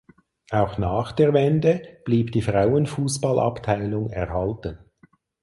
Auch nach der Wende blieb die Frauenfußballabteilung erhalten.